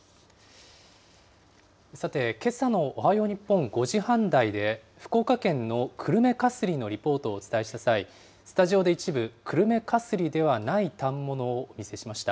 さて、けさのおはよう日本５時半台で福岡県の久留米かすりのリポートをお伝えした際、スタジオで一部久留米かすりではない反物をお見せしました。